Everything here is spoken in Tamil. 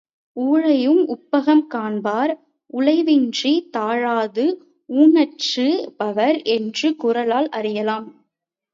ஊழையும் உப்பக்கம் காண்பர் உலைவின்றித் தாழாது உஞற்று பவர் என்ற குறளால் அறியலாம்.